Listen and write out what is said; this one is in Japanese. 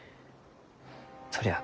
そりゃあ